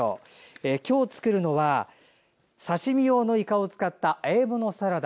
今日作るのは刺身用のいかを使ったあえ物サラダ。